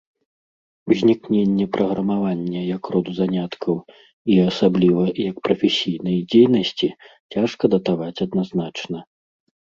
Узнікненне праграмавання як роду заняткаў, і, асабліва, як прафесійнай дзейнасці, цяжка датаваць адназначна.